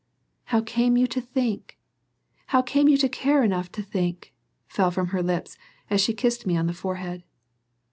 "How came you to think? How came you to care enough to think?" fell from her lips as she kissed me on the forehead.